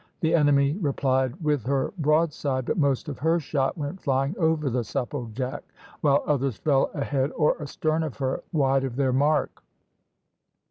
The enemy replied with her broadside, but most of her shot went flying over the Supplejack, while others fell ahead or astern of her, wide of their mark.